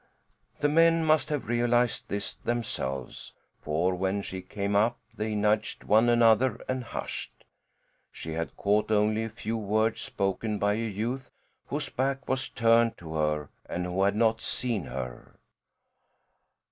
The men must have realized this themselves, for when she came up they nudged one another and hushed. She had caught only a few words, spoken by a youth whose back was turned to her, and who had not seen her.